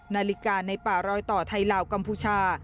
นาฬิกาในป่ารอยต่อไทยลาวกัมพูชา